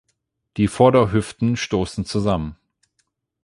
Die Vorderhüften stoßen zusammen.